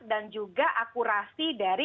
dan juga akurasi dari